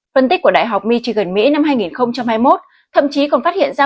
phân tích của đại học michigan mỹ năm hai nghìn hai mươi một thậm chí còn phát hiện ra